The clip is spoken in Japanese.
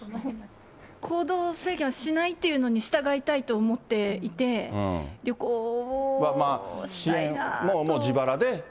行動制限はしないというのに従いたいと思っていて、旅行したいなと。